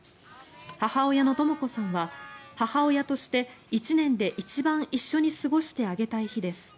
母親のとも子さんは母親として１年で一番一緒に過ごしてあげたい日です